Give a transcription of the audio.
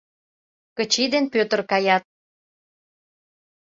Кычий ден Пӧтыр каят.